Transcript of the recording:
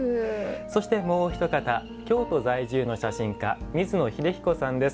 もうお一方京都在住の写真家水野秀比古さんです。